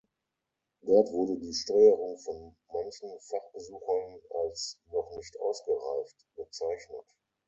Dort wurde die Steuerung von manchen Fachbesuchern als „noch nicht ausgereift“ bezeichnet.